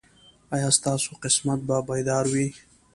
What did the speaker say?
ایا ستاسو قسمت به بیدار وي؟